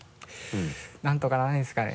なんとかならないですかね？